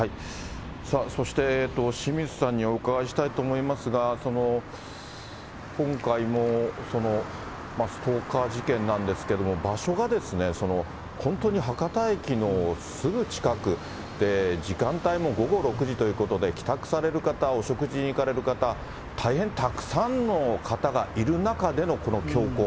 そして清水さんにお伺いしたいと思いますが、今回もストーカー事件なんですけど、場所が本当に博多駅のすぐ近くで、時間帯も午後６時ということで、帰宅される方、お食事に行かれる方、大変たくさんの方がいる中でのこの凶行。